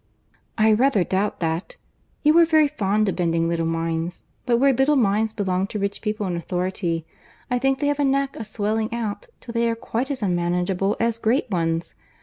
"I rather doubt that. You are very fond of bending little minds; but where little minds belong to rich people in authority, I think they have a knack of swelling out, till they are quite as unmanageable as great ones.